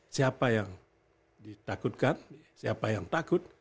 siapa yang ditakutkan siapa yang takut